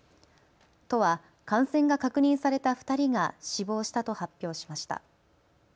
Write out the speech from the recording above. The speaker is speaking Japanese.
都は感染が確認された２人が死亡したと発表しました。